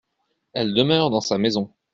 Elle demeure dans sa maison.